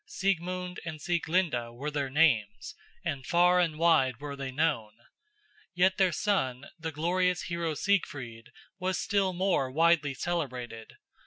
Siegmund and Sieglinde were their names, and far and wide were they known. Yet their son, the glorious hero Siegfried, was still more widely celebrated.